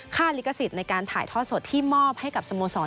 ลิขสิทธิ์ในการถ่ายทอดสดที่มอบให้กับสโมสร